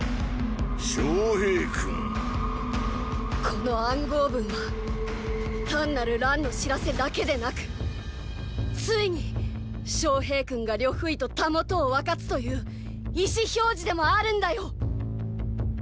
この暗号文は単なる乱の知らせだけでなくついに昌平君が呂不韋と袂を分かつという意思表示でもあるんだよ！！